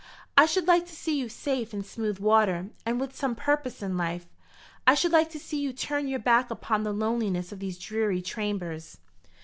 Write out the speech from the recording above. I should like to see you safe in smooth water, and with some purpose in life. I should like to see you turn your back upon the loneliness of these dreary chambers."